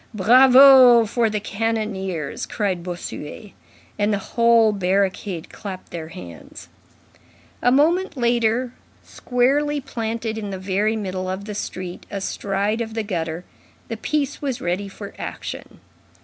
"Bravo for the cannoneers!" cried Bossuet. And the whole barricade clapped their hands. A moment later, squarely planted in the very middle of the street, astride of the gutter, the piece was ready for action.